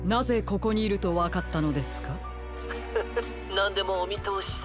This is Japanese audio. なんでもおみとおしさ。